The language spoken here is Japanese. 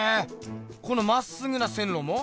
このまっすぐな線路も？